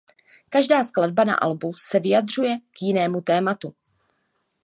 Každá skladba na albu se vyjadřuje k jinému tématu.